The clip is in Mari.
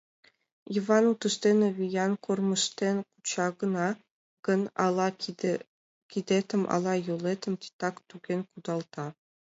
Йыван утыжденак виян, кормыжтен куча гын, ала кидетым, ала йолетым титак туген кудалта.